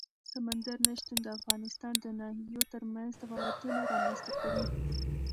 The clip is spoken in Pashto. سمندر نه شتون د افغانستان د ناحیو ترمنځ تفاوتونه رامنځ ته کوي.